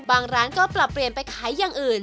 ร้านก็ปรับเปลี่ยนไปขายอย่างอื่น